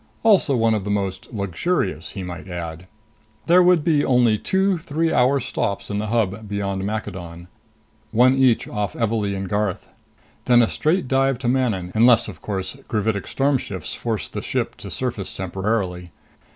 Also one of the most luxurious, he might add. There would be only two three hour stops in the Hub beyond Maccadon one each off Evalee and Garth. Then a straight dive to Manon unless, of course, gravitic storm shifts forced the ship to surface temporarily.